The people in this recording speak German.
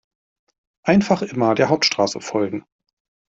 Einfach immer der Hauptstraße folgen.